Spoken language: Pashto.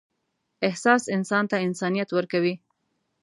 احساس انسان ته انسانیت ورکوي.